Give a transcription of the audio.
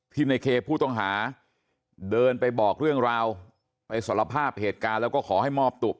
ในเคผู้ต้องหาเดินไปบอกเรื่องราวไปสารภาพเหตุการณ์แล้วก็ขอให้มอบตัว